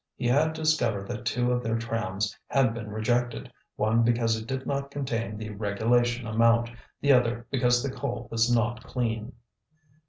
He had discovered that two of their trams had been rejected, one because it did not contain the regulation amount, the other because the coal was not clean.